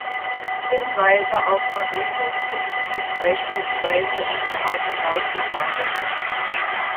Hinweise auf Arete finden sich beispielsweise in der Argonautensage.